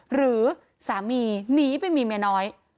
หรือสามีหนีไปมีเมียน้อย